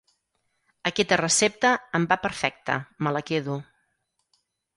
Aquesta recepta em va perfecte; me la quedo.